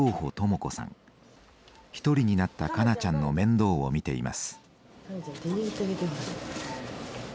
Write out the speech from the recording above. １人になった香菜ちゃんの面倒をみています。